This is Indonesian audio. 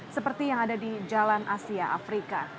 seperti yang ada di jalan asia afrika